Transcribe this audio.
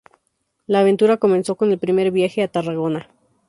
La aventura comenzó con el primer viaje a Tarragona.